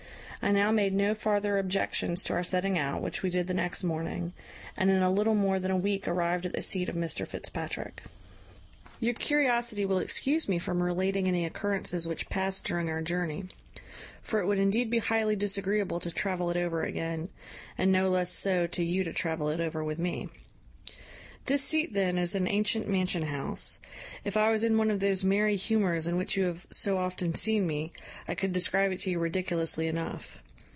I now made no farther objections to our setting out, which we did the next morning, and in a little more than a week arrived at the seat of Mr Fitzpatrick. "Your curiosity will excuse me from relating any occurrences which past during our journey; for it would indeed be highly disagreeable to travel it over again, and no less so to you to travel it over with me. "This seat, then, is an ancient mansion house: if I was in one of those merry humours in which you have so often seen me, I could describe it to you ridiculously enough.